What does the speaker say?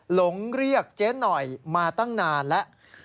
หลงเรียกเจ๊หน่อยมาตั้งนานแล้ว